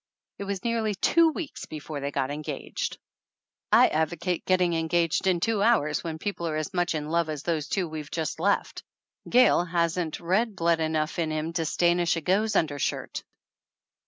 It was nearly two weeks before they got engaged. "I advocate getting engaged in two hours when people are as much in love as those two 217 THE ANNALS OF ANN we've just left. Gayle hasn't red blood enough in him to stain a chigoe's undershirt!"